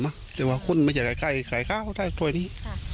ไม่เห็นว่ามีใครที่มาและอยู่ในนี้